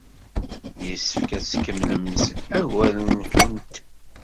Yessefk ad tkemmlemt agal-nwent.